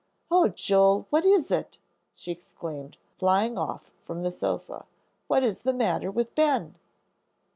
"Oh, Joel, what is it?" she exclaimed, flying off from the sofa; "what is the matter with Ben?"